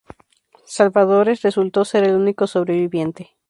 Salvadores resultó ser el único sobreviviente.